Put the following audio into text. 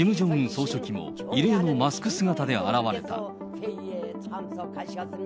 総書記も異例のマスク姿で現れた。